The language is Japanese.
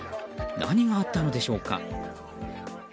何があったのでしょうか。